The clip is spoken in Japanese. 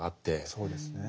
そうですね。